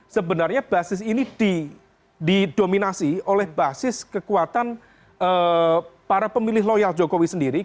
sebenarnya basis ini didominasi oleh basis kekuatan para pemilih loyal jokowi sendiri